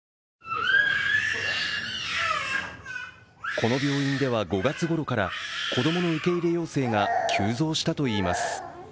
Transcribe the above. この病院では５月ごろから、子供の受け入れ要請が急増したといいます。